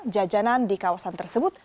jajanan di kawasan tersebut